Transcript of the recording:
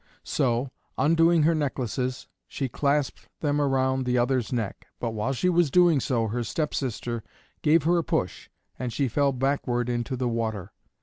So, undoing her necklaces, she clasped them round the other's neck. But while she was doing so her stepsister gave her a push, and she fell backward into the water.